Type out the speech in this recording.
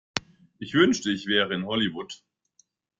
Ich wünschte ich wäre in Hollywood.